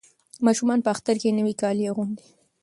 ماشومان په اختر کې نوي کالي اغوندي.